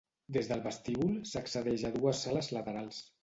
Des del vestíbul s'accedeix a dues sales laterals.